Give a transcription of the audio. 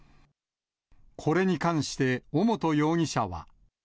これに関して尾本容疑者は。